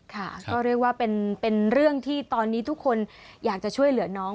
ค่ะก็เรียกว่าเป็นเรื่องที่ตอนนี้ทุกคนอยากจะช่วยเหลือน้อง